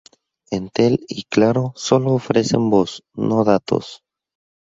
Entel y Claro sólo ofrecen voz, no datos.